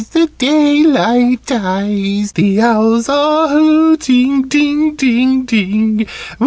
The daylight dies: The owls are hooting, ting, ting, ting!